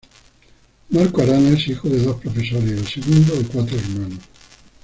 Marco Arana es hijo de dos profesores, y el segundo de cuatro hermanos.